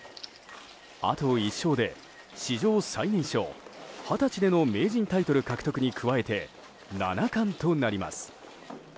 あと１勝で、史上最年少二十歳での名人タイトル獲得に加えて七冠となります。